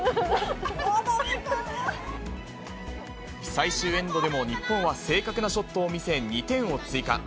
最終エンドでも日本は正確なショットを見せ、２点を追加。